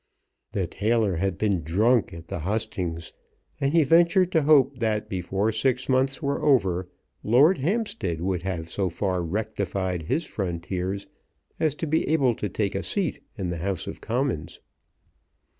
The tailor had been drunk at the hustings, and he ventured to hope that before six months were over Lord Hampstead would have so far rectified his frontiers as to be able to take a seat in the House of Commons.